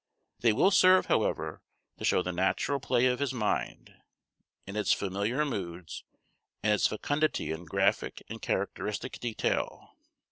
They will serve, however, to show the natural play of his mind, in its familiar moods, and its fecundity in graphic and characteristic detail.